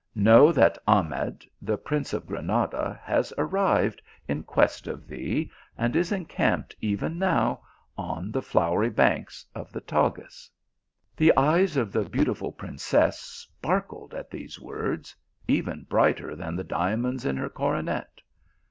Know that Ahmed, the THE PILGRIM OF LOVE. 211 prince of Granada, has arrived in quest of thee, and is encamped even now on the flowery banks of the Tagus." The eyes of the beautiful princess sparkled at these words, even brighter than the diamonds in her coro net.